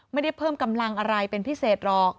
ไม่ได้เพิ่มกำลังอะไรเป็นพิเศษหรอก